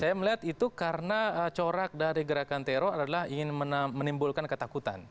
saya melihat itu karena corak dari gerakan teror adalah ingin menimbulkan ketakutan